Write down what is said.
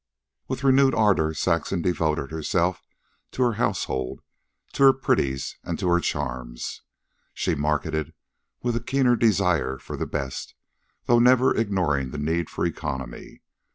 With renewed ardor Saxon devoted herself to her household, to her pretties, and to her charms. She marketed with a keener desire for the best, though never ignoring the need for economy.